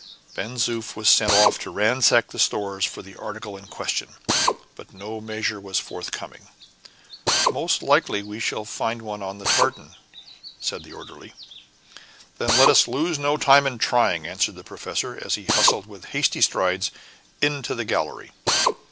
Ben Zoof was sent off to ransack the stores for the article in question, but no measure was forthcoming. "Most likely we shall find one on the tartan," said the orderly. "Then let us lose no time in trying," answered the professor, as he hustled with hasty strides into the gallery.